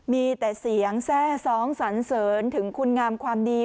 มีแต่เสียงแทร่ซ้องสันเสริญถึงคุณงามความดี